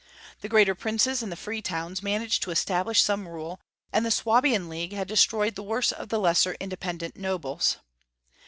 The greater princes and the free towns managed to establish some rule, and the Swabian League had destroyed the worst of the lesser independent nobles.